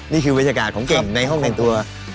นี่คือบรรยากาศของเก่งในห้องแต่งตัว